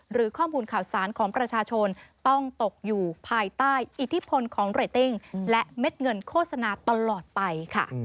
หรือข้อมูลข่าวสารของประชาชนต้องตกอยู่ภายใต้อิทธิพลของเรตติ้งและเม็ดเงินโฆษณาตลอดไปค่ะ